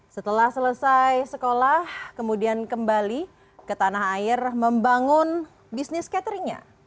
setelah selesai sekolah kemudian kembali ke tanah air membangun bisnis cateringnya